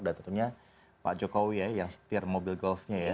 dan tentunya pak jokowi ya yang setir mobil golfnya ya